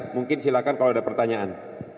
mungkin silakan kalau ada pertanyaan